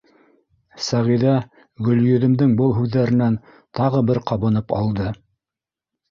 Сәғиҙә Гөлйөҙөмдөң был һүҙҙәренән тағы бер ҡабынып алды.